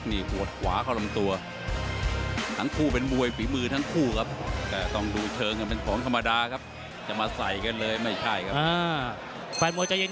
ตอนนี้บล็อกจะถึงเงินเลยนะถึงดิถึงเงินเลย